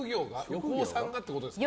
横尾さんがってことですか？